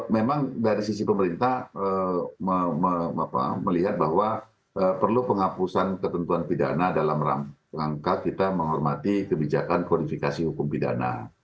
memang dari sisi pemerintah melihat bahwa perlu penghapusan ketentuan pidana dalam rangka kita menghormati kebijakan kurifikasi hukum pidana